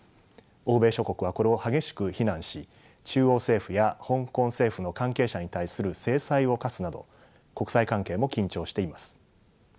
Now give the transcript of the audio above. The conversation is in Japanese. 欧米諸国はこれを激しく非難し中央政府や香港政府の関係者に対する制裁を科すなど国際関係も緊張しています。